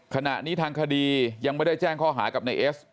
ขณะนี้ทางคดียังไม่ได้แจ้งข้อหากับนายเอส